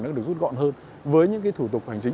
nó được rút gọn hơn với những cái thủ tục hành chính